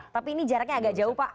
tapi ini jaraknya agak jauh pak